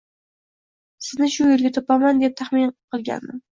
Seni shu yo`lda topaman, deb tahmin qilgandim